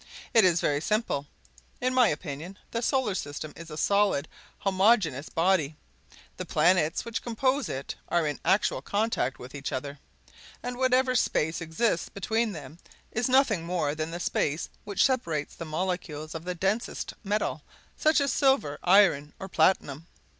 It is very simple! In my opinion the solar system is a solid homogeneous body; the planets which compose it are in actual contact with each other; and whatever space exists between them is nothing more than the space which separates the molecules of the densest metal, such as silver, iron, or platinum!